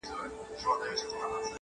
چي غزل وي چا لیکلی بې الهامه,